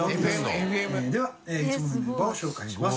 佐藤さん）ではいつものメンバーを紹介します。